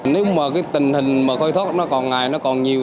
nếu mà cái tình hình khơi thoát nó còn ngày nó còn nhiều